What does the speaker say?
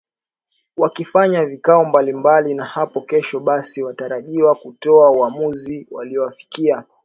wakifanya vikao mbalimbali na hapo kesho basi watarajiwa kutoa uamuzi waliofikia